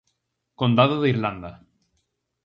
Condado de Irlanda.